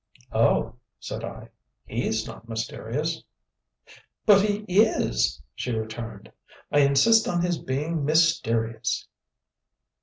"Oh," said I, "HE'S not mysterious." "But he IS," she returned; "I insist on his being MYSTERIOUS!